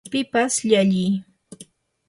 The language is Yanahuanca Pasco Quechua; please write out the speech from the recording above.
pipas llalliy ganar, vencer